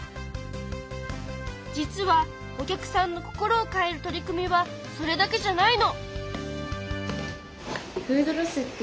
実はお客さんの心を変える取り組みはそれだけじゃないの！